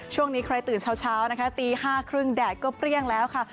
ช่วงนี้ใครตื่นเช้านะคะตี๕๓๐แดดก็เปรี้ยงแล้วค่ะ